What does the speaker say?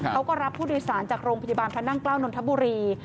เขาก็รับผู้โดยสารจากโรงพยาบาลพระนั่งเกล้านนทบุรี